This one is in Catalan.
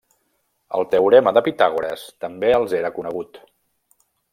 El teorema de Pitàgores també els era conegut.